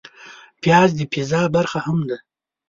پیاز د پیزا برخه هم ده